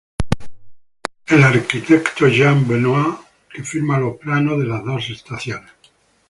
El arquitecto Jean Benoit que firma los planes de las dos estaciones.